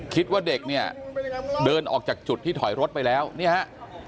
คิดว่าเด็กเนี่ยเดินออกจากจุดที่ถอยรถไปแล้วเนี่ยฮะ